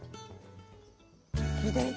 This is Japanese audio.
見て見て。